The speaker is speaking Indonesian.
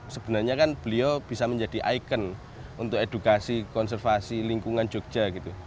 sebenarnya kan beliau bisa menjadi ikon untuk edukasi konservasi lingkungan jogja gitu